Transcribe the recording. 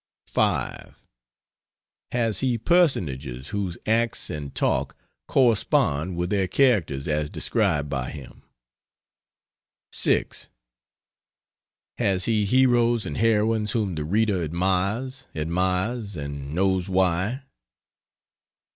5. Has he personages whose acts and talk correspond with their characters as described by him? 6. Has he heroes and heroines whom the reader admires, admires, and knows why?